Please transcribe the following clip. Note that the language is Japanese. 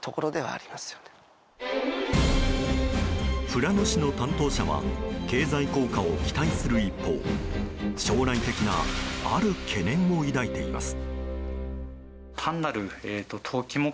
富良野市の担当者は経済効果を期待する一方将来的なある懸念を抱いています。